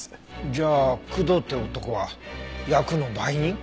じゃあ工藤って男はヤクの売人？